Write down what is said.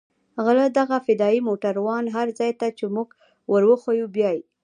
غله دغه فدايي موټران هر ځاى ته چې موږ وروښيو بيايي.